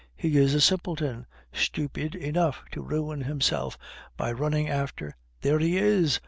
He is a simpleton, stupid enough to ruin himself by running after " "There he is!"